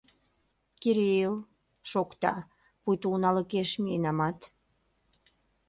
Кирилл...» — шокта, пуйто уналыкеш миенамат